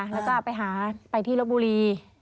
แล้วก็ไปหาไปที่ลบบุรี